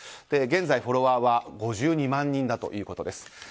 現在、フォロワーは５２万人だということです。